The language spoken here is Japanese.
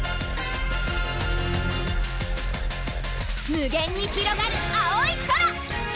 無限にひろがる青い空！